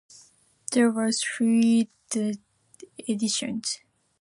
There were three editions.